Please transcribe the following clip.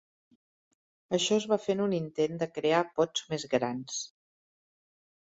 Això es va fer en un intent de crear pots més grans.